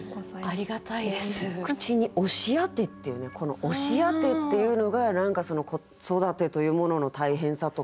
「口に押し当て」っていうねこの「押し当て」っていうのが何か子育てというものの大変さとか。